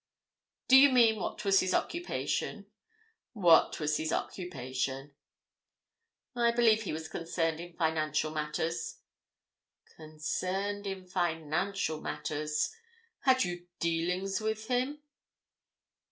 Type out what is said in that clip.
"Do you mean—what was his occupation?" "What was his occupation?" "I believe he was concerned in financial matters." "Concerned in financial matters. Had you dealings with him?"